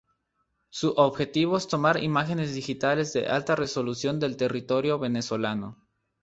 Su objetivo es tomar imágenes digitales de alta resolución del territorio venezolano.